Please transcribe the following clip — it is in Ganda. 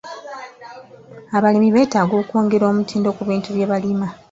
Abalimi beetaaga okwongera omutindo ku bintu bye balima.